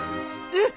えっ！